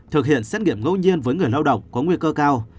thực hiện xét nghiệm ngẫu nhiên với người lao động có nguy cơ cao